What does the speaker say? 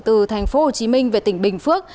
từ tp hcm về tỉnh bình phước